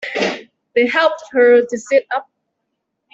They helped her to sit up.